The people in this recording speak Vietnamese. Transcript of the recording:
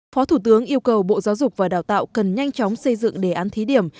phó thủ tướng yêu cầu bộ giáo dục và đào tạo cần nhanh chóng xây dựng đề án thí điểm